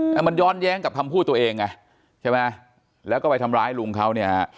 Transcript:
แต่มันย้อนแย้งกับคำพูดตัวเองไงใช่ไหมแล้วก็ไปทำร้ายลุงเขาเนี่ยฮะ